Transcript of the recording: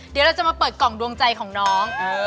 เดี๋ยวเราจะมาเปิดกล่องดวงใจของน้อง